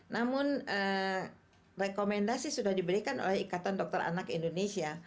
namun rekomendasi sudah diberikan oleh ikatan dokter anak indonesia